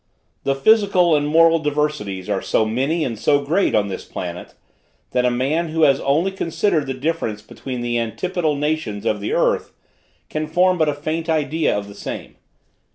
The physical and moral diversities are so many and so great, on this planet, that a man who has only considered the difference between the antipodal nations of the earth, can form but a faint idea of the same.